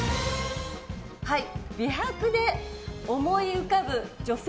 美白で思い浮かぶ女性